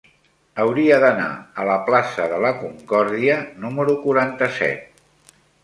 Hauria d'anar a la plaça de la Concòrdia número quaranta-set.